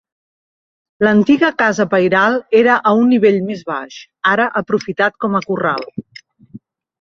L'antiga casa pairal era a un nivell més baix, ara aprofitat com a corral.